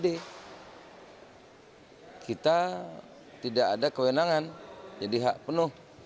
jadi kita tidak ada kewenangan jadi hak penuh